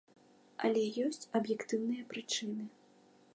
Але ёсць аб'ектыўныя прычыны.